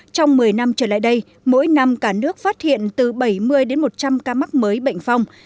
trong một mươi năm trở lại đây mỗi năm cả nước phát hiện từ bảy mươi đến một trăm linh ca mắc mới bệnh phong